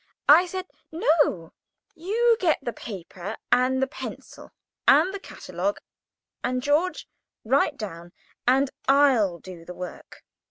I said: "No; you get the paper, and the pencil, and the catalogue, and George write down, and I'll do the work."